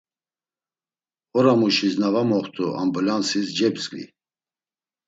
Oramuşis na var moxt̆u ambulansis cebzgvi.